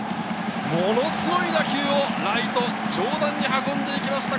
ものすごい打球をライト上段に運んでいきました！